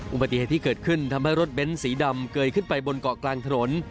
อุบัติเหตุที่เกิดขึ้นทำให้รถเบ้นสีดำเกยขึ้นไปบนเกาะกลางถนน